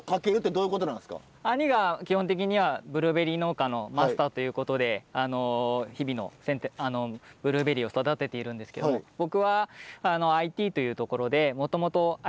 兄が基本的にはブルーベリー農家のマスターということで日々の剪定ブルーベリーを育てているんですけど僕はＩＴというところでもともとＩＴ企業にいまして。